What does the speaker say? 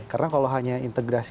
karena kalau hanya integrasi